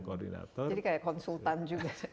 koordinator jadi kayak konsultan juga